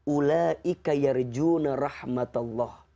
ulaika yarjuna rahmatallah